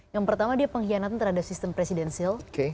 yang pertama dia pengkhianatan terhadap sistem presidensil